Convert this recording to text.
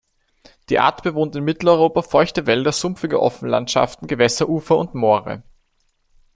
Die Art bewohnt in Mitteleuropa feuchte Wälder, sumpfige Offenlandschaften, Gewässerufer und Moore.